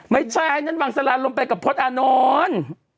ไม่ใช่นั่นบังสลานลงไปกับพจน์อานนท์